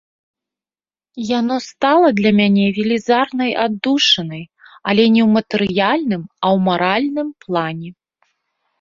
Яно стала для мяне велізарнай аддушынай, але не ў матэрыяльным, а ў маральным плане.